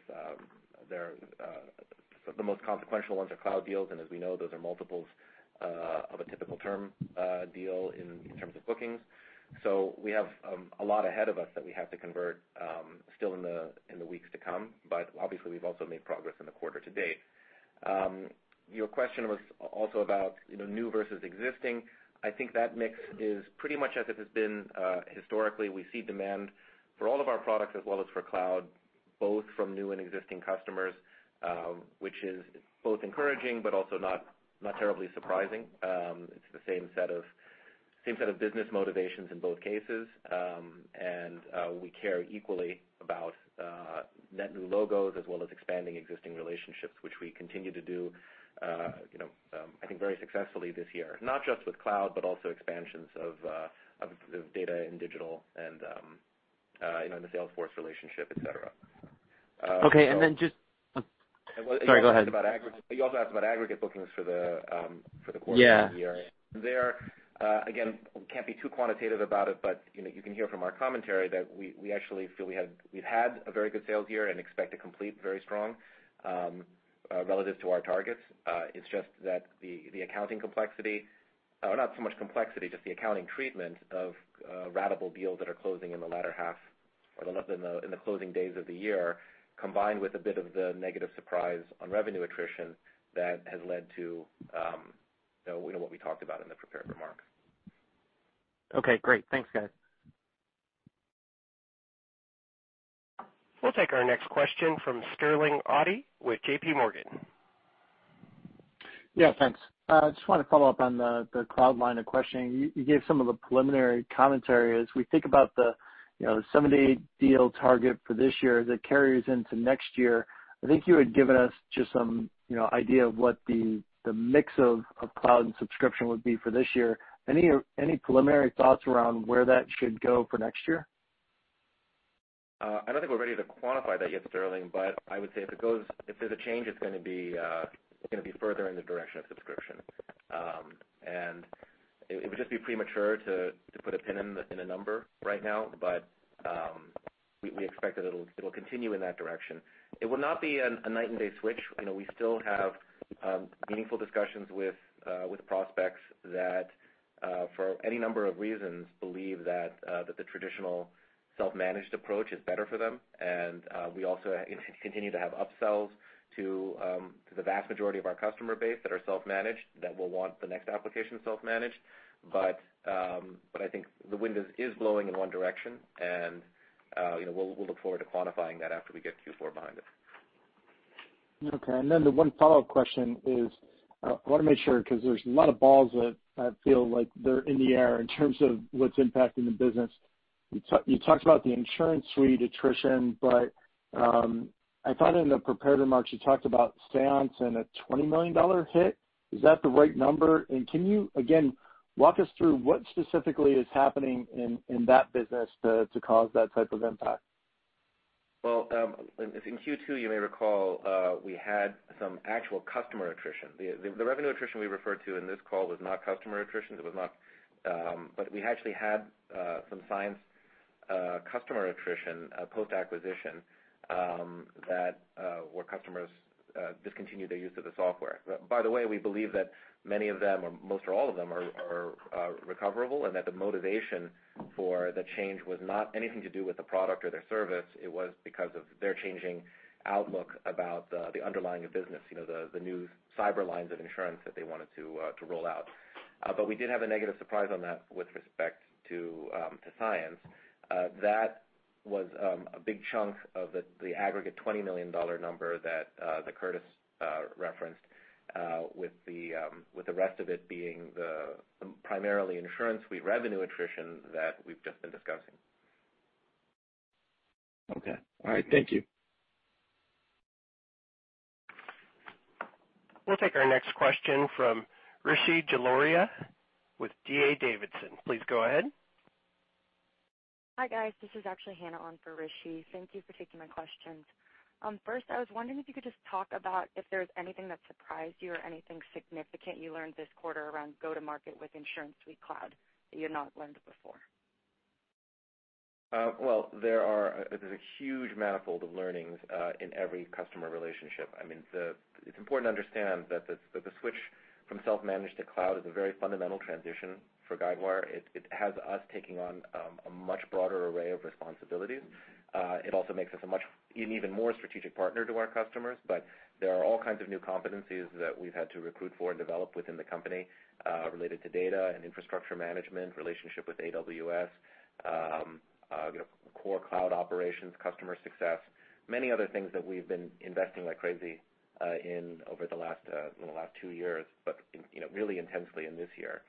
Speaker 3: the most consequential ones are Cloud deals. As we know, those are multiples of a typical term deal in terms of bookings. We have a lot ahead of us that we have to convert still in the weeks to come. Obviously, we've also made progress in the quarter to date. Your question was also about new versus existing. I think that mix is pretty much as it has been historically. We see demand for all of our products as well as for Cloud, both from new and existing customers, which is both encouraging but also not terribly surprising. It's the same set of business motivations in both cases. We care equally about net new logos as well as expanding existing relationships, which we continue to do I think very successfully this year, not just with Cloud, but also expansions of the data and Digital and the Salesforce relationship, et cetera.
Speaker 8: Okay. Sorry, go ahead.
Speaker 3: You also asked about aggregate bookings for the quarter.
Speaker 8: Yeah
Speaker 3: The year. There, again, can't be too quantitative about it, but you can hear from our commentary that we actually feel we've had a very good sales year and expect to complete very strong relative to our targets. It's just that the accounting complexity, or not so much complexity, just the accounting treatment of ratable deals that are closing in the latter half or in the closing days of the year, combined with a bit of the negative surprise on revenue attrition that has led to what we talked about in the prepared remarks.
Speaker 8: Okay, great. Thanks, guys.
Speaker 1: We'll take our next question from Sterling Auty with JP Morgan.
Speaker 9: Thanks. I just want to follow up on the Cloud line of questioning. You gave some of the preliminary commentary. As we think about the seven to eight deal target for this year that carries into next year, I think you had given us just some idea of what the mix of Cloud and subscription would be for this year. Any preliminary thoughts around where that should go for next year?
Speaker 3: I don't think we're ready to quantify that yet, Sterling, but I would say if there's a change, it's going to be further in the direction of subscription. It would just be premature to put a pin in a number right now. But we expect that it'll continue in that direction. It will not be a night and day switch. We still have meaningful discussions with prospects that, for any number of reasons, believe that the traditional self-managed approach is better for them. We also continue to have upsells to the vast majority of our customer base that are self-managed that will want the next application self-managed. But I think the wind is blowing in one direction, and we'll look forward to quantifying that after we get Q4 behind us.
Speaker 9: Okay. Then the one follow-up question is, I want to make sure, because there's a lot of balls that I feel like they're in the air in terms of what's impacting the business. You talked about the InsuranceSuite attrition, but I thought in the prepared remarks, you talked about Cyence and a $20 million hit. Is that the right number? Can you, again, walk us through what specifically is happening in that business to cause that type of impact?
Speaker 3: Well, in Q2, you may recall, we had some actual customer attrition. The revenue attrition we referred to in this call was not customer attrition. We actually had some Cyence customer attrition, post-acquisition, where customers discontinued their use of the software. By the way, we believe that many of them, or most or all of them, are recoverable and that the motivation for the change was not anything to do with the product or their service. It was because of their changing outlook about the underlying of business, the new cyber lines of insurance that they wanted to roll out. We did have a negative surprise on that with respect to Cyence. That was a big chunk of the aggregate $20 million number that Curtis referenced with the rest of it being the primarily InsuranceSuite revenue attrition that we've just been discussing.
Speaker 9: Okay. All right. Thank you.
Speaker 1: We'll take our next question from Rishi Jaluria with D.A. Davidson. Please go ahead.
Speaker 10: Hi, guys. This is actually Hannah on for Rishi. Thank you for taking my questions. First, I was wondering if you could just talk about if there's anything that surprised you or anything significant you learned this quarter around go-to-market with InsuranceSuite Cloud that you had not learned before.
Speaker 3: Well, there's a huge manifold of learnings in every customer relationship. It's important to understand that the switch from self-managed to cloud is a very fundamental transition for Guidewire. It has us taking on a much broader array of responsibilities. It also makes us an even more strategic partner to our customers. There are all kinds of new competencies that we've had to recruit for and develop within the company related to data and infrastructure management, relationship with AWS, core cloud operations, customer success, many other things that we've been investing like crazy in over the last two years, but really intensely in this year.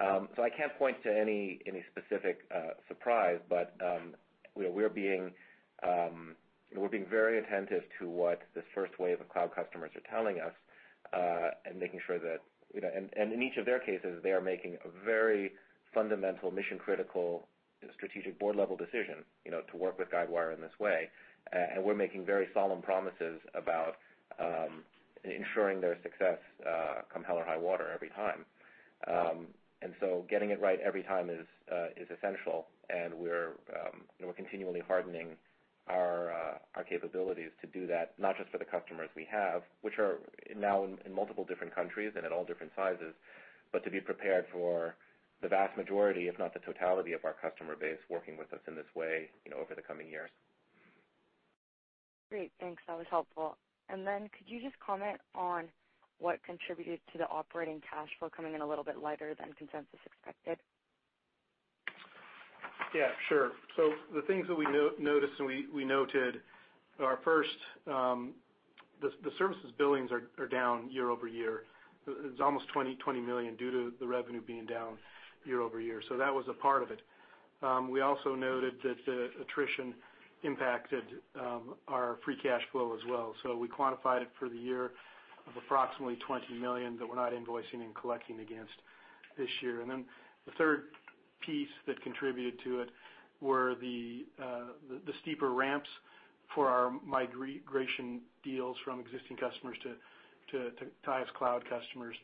Speaker 3: I can't point to any specific surprise, but we're being very attentive to what this first wave of cloud customers are telling us. In each of their cases, they are making a very fundamental, mission-critical, strategic board-level decision to work with Guidewire in this way. We're making very solemn promises about ensuring their success come hell or high water every time. Getting it right every time is essential, and we're continually hardening our capabilities to do that, not just for the customers we have, which are now in multiple different countries and in all different sizes, but to be prepared for the vast majority, if not the totality of our customer base working with us in this way over the coming years.
Speaker 10: Great. Thanks. That was helpful. Could you just comment on what contributed to the operating cash flow coming in a little bit lighter than consensus expected?
Speaker 2: Yeah, sure. The things that we noticed and we noted are, first, the services billings are down year-over-year. It's almost $20 million due to the revenue being down year-over-year. That was a part of it. We also noted that the attrition impacted our free cash flow as well. We quantified it for the year of approximately $20 million that we're not invoicing and collecting against this year. The third piece that contributed to it were the steeper ramps for our migration deals from existing customers to Guidewire Cloud customers.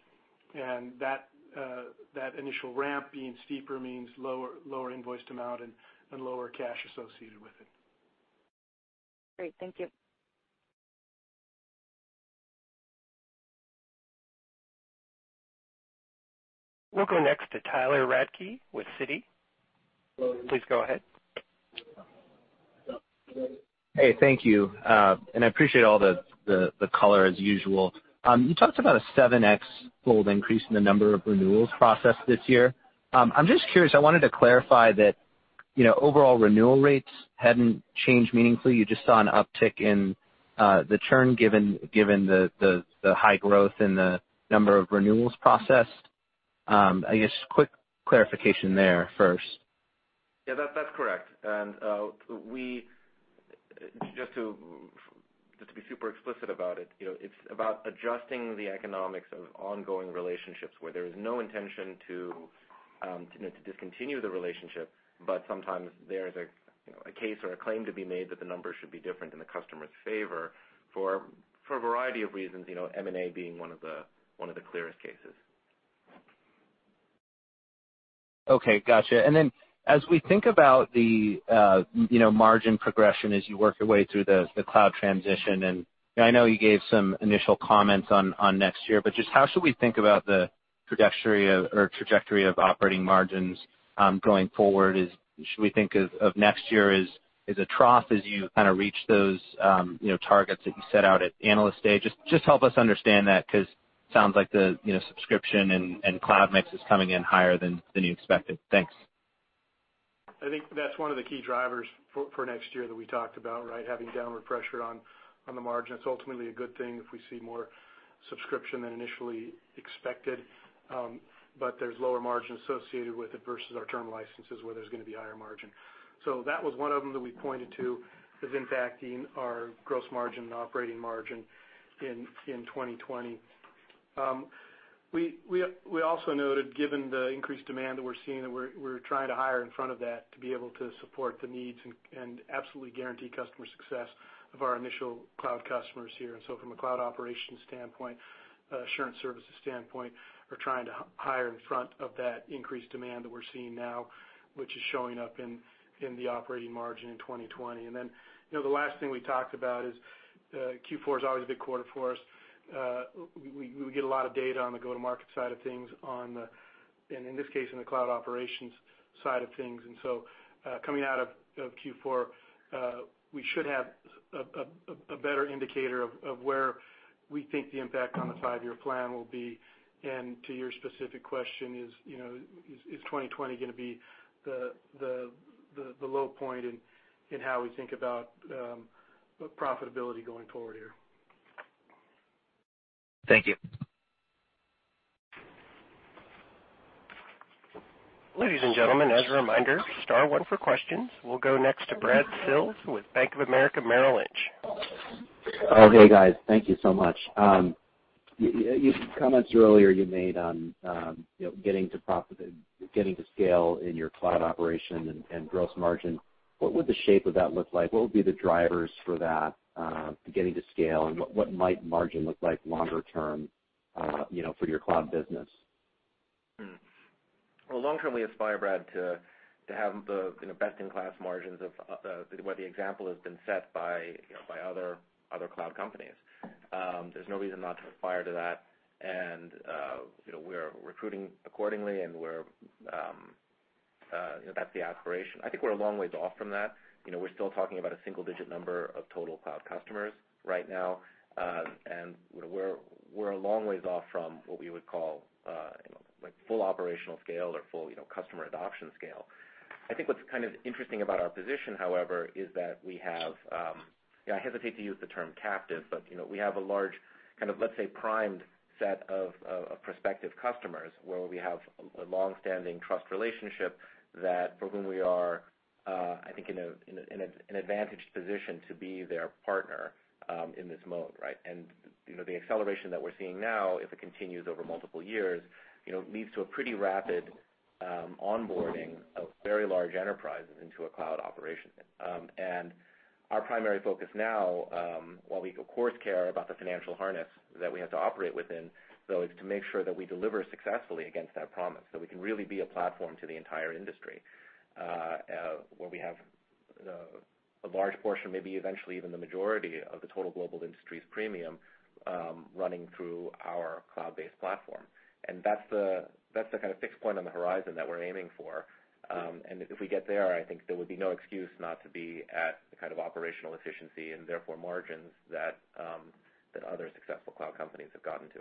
Speaker 2: That initial ramp being steeper means lower invoiced amount and lower cash associated with it.
Speaker 10: Great. Thank you.
Speaker 1: We'll go next to Tyler Radke with Citi. Please go ahead.
Speaker 11: Hey, thank you. I appreciate all the color as usual. You talked about a 7x fold increase in the number of renewals processed this year. I'm just curious, I wanted to clarify that overall renewal rates hadn't changed meaningfully. You just saw an uptick in the churn given the high growth in the number of renewals processed. I guess quick clarification there first.
Speaker 3: Yeah, that's correct. Just to be super explicit about it's about adjusting the economics of ongoing relationships where there is no intention to discontinue the relationship, but sometimes there's a case or a claim to be made that the numbers should be different in the customer's favor for a variety of reasons, M&A being one of the clearest cases.
Speaker 11: Okay. Got you. As we think about the margin progression as you work your way through the cloud transition, I know you gave some initial comments on next year, but just how should we think about the trajectory of operating margins going forward? Should we think of next year as a trough as you kind of reach those targets that you set out at Analyst Day? Just help us understand that because it sounds like the subscription and cloud mix is coming in higher than you expected. Thanks.
Speaker 2: I think that's one of the key drivers for next year that we talked about, having downward pressure on the margin. It's ultimately a good thing if we see more subscription than initially expected, but there's lower margin associated with it versus our term licenses where there's going to be higher margin. That was one of them that we pointed to as impacting our gross margin and operating margin in 2020. We also noted, given the increased demand that we're seeing, that we're trying to hire in front of that to be able to support the needs and absolutely guarantee customer success of our initial cloud customers here. From a cloud operations standpoint, assurance services standpoint, we're trying to hire in front of that increased demand that we're seeing now, which is showing up in the operating margin in 2020. The last thing we talked about is Q4 is always a big quarter for us. We get a lot of data on the go-to-market side of things, and in this case, in the cloud operations side of things. Coming out of Q4, we should have a better indicator of where we think the impact on the five-year plan will be. To your specific question is 2020 going to be the low point in how we think about profitability going forward here?
Speaker 11: Thank you.
Speaker 1: Ladies and gentlemen, as a reminder, star one for questions. We'll go next to Brad Sills with Bank of America Merrill Lynch.
Speaker 12: Oh, hey, guys. Thank you so much. Comments earlier you made on getting to scale in your cloud operation and gross margin. What would the shape of that look like? What would be the drivers for that getting to scale, and what might margin look like longer term for your cloud business?
Speaker 3: Well, long-term, we aspire, Brad, to have the best-in-class margins of where the example has been set by other cloud companies. There's no reason not to aspire to that. We're recruiting accordingly and that's the aspiration. I think we're a long ways off from that. We're still talking about a single-digit number of total cloud customers right now. We're a long ways off from what we would call full operational scale or full customer adoption scale. I think what's kind of interesting about our position, however, is that we have a large kind of, let's say, primed set of prospective customers where we have a long-standing trust relationship that for whom we are I think in an advantaged position to be their partner in this mode, right? The acceleration that we're seeing now, if it continues over multiple years, leads to a pretty rapid onboarding of very large enterprises into a cloud operation. Our primary focus now, while we of course care about the financial harness that we have to operate within, though, is to make sure that we deliver successfully against that promise, so we can really be a platform to the entire industry, where we have a large portion, maybe eventually even the majority of the total global industries premium running through our cloud-based platform. That's the kind of fixed point on the horizon that we're aiming for. If we get there, I think there would be no excuse not to be at the kind of operational efficiency and therefore margins that other successful cloud companies have gotten to.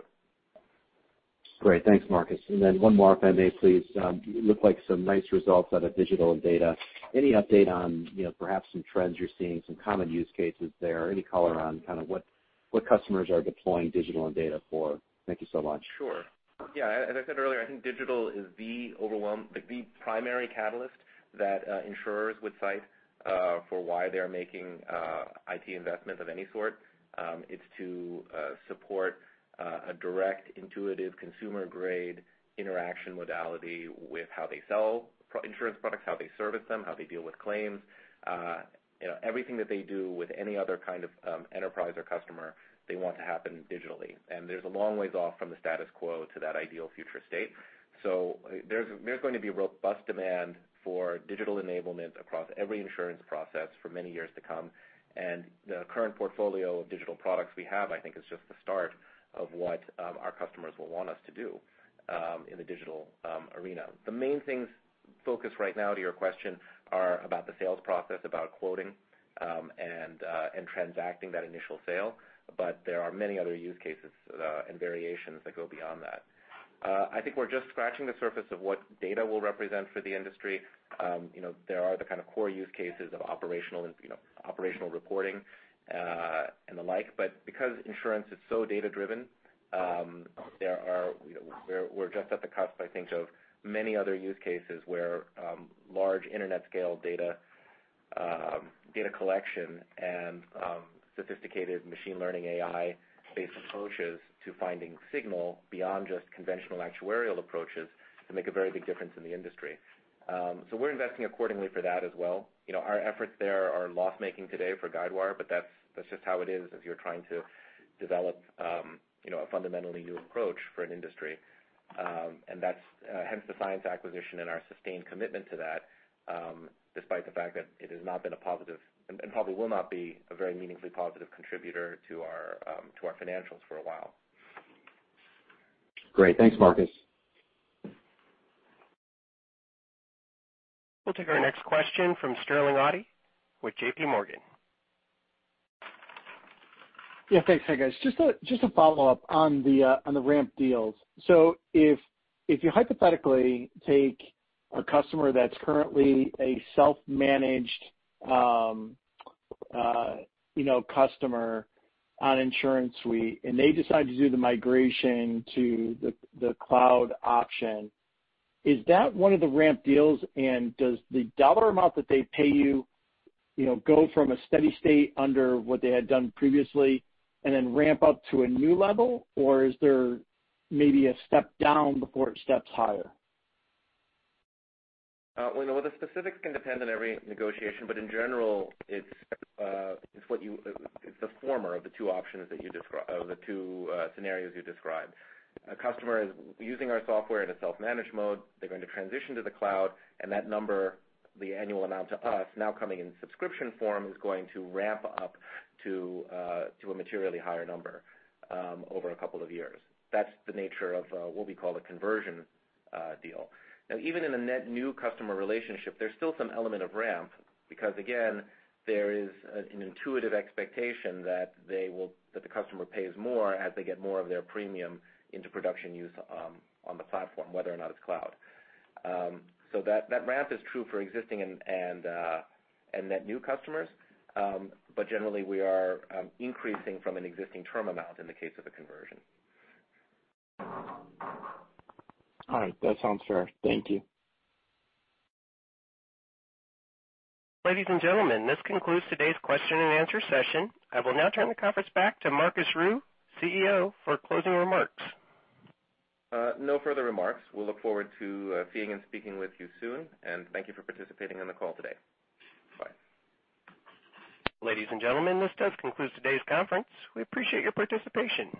Speaker 12: Great. Thanks, Marcus. Then one more, if I may, please. Looked like some nice results out of digital and data. Any update on perhaps some trends you're seeing, some common use cases there? Any color on what customers are deploying digital and data for? Thank you so much.
Speaker 3: Sure. Yeah. As I said earlier, I think digital is the primary catalyst that insurers would cite for why they are making IT investments of any sort. It's to support a direct, intuitive, consumer-grade interaction modality with how they sell insurance products, how they service them, how they deal with claims. Everything that they do with any other kind of enterprise or customer, they want to happen digitally. There's a long way off from the status quo to that ideal future state. There's going to be robust demand for digital enablement across every insurance process for many years to come. The current portfolio of digital products we have, I think, is just the start of what our customers will want us to do in the digital arena. The main things, focus right now, to your question, are about the sales process, about quoting, and transacting that initial sale, but there are many other use cases and variations that go beyond that. I think we're just scratching the surface of what data will represent for the industry. There are the kind of core use cases of operational reporting and the like. Because insurance is so data-driven, we're just at the cusp, I think, of many other use cases where large internet scale data collection and sophisticated machine learning AI-based approaches to finding signal beyond just conventional actuarial approaches can make a very big difference in the industry. We're investing accordingly for that as well. Our efforts there are loss-making today for Guidewire, but that's just how it is if you're trying to develop a fundamentally new approach for an industry. Hence the Cyence acquisition and our sustained commitment to that, despite the fact that it has not been a positive, and probably will not be a very meaningfully positive contributor to our financials for a while.
Speaker 12: Great. Thanks, Marcus.
Speaker 1: We'll take our next question from Sterling Auty with JP Morgan.
Speaker 9: Yeah, thanks. Hey, guys. Just a follow-up on the ramp deals. If you hypothetically take a customer that's currently a self-managed customer on InsuranceSuite, and they decide to do the migration to the cloud option, is that one of the ramp deals and does the dollar amount that they pay you go from a steady state under what they had done previously and then ramp up to a new level, or is there maybe a step down before it steps higher?
Speaker 3: Well, the specifics can depend on every negotiation, but in general, it's the former of the two scenarios you described. A customer is using our software in a self-managed mode. They're going to transition to the cloud, and that number, the annual amount to us now coming in subscription form, is going to ramp up to a materially higher number over a couple of years. That's the nature of what we call a conversion deal. Even in a net new customer relationship, there's still some element of ramp because again, there is an intuitive expectation that the customer pays more as they get more of their premium into production use on the platform, whether or not it's cloud. That ramp is true for existing and net new customers. Generally, we are increasing from an existing term amount in the case of a conversion.
Speaker 9: All right. That sounds fair. Thank you.
Speaker 1: Ladies and gentlemen, this concludes today's question and answer session. I will now turn the conference back to Marcus Ryu, CEO, for closing remarks.
Speaker 3: No further remarks. We'll look forward to seeing and speaking with you soon. Thank you for participating on the call today. Bye.
Speaker 1: Ladies and gentlemen, this does conclude today's conference. We appreciate your participation.